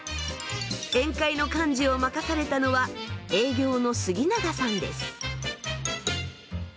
宴会の幹事を任されたのは営業の杉長さんです。